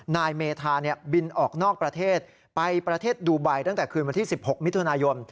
นายเมธาบินออกนอกประเทศไปประเทศดูไบตั้งแต่คืนวันที่๑๖มิถุนายน